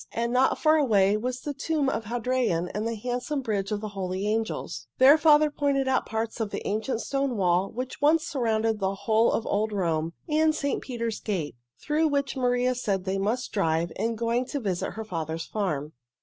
And not far away was the Tomb of Hadrian and the handsome Bridge of the Holy Angels. Their father pointed out parts of the ancient stone wall which once surrounded the whole of old Rome, and St. Paul's Gate, through which Maria said they must drive in going to visit her father's farm.